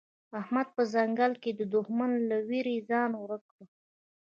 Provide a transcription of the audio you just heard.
احمد په ځنګله کې د دوښمن له وېرې ځان ورک کړ.